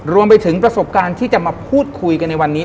รวมไปถึงประสบการณ์ที่จะมาพูดคุยกันในวันนี้